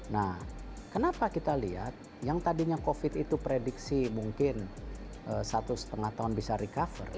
nah kenapa kita lihat yang tadinya covid itu prediksi mungkin satu setengah tahun bisa recover